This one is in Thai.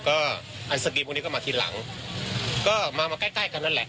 ก็ไอศกรีมพวกนี้ก็มาทีหลังก็มามาใกล้ใกล้กันนั่นแหละ